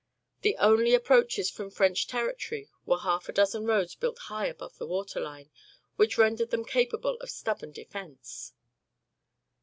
The only approaches from French territory were half a dozen roads built high above the water line, which rendered them capable of stubborn defence.